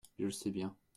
Je le sais bien.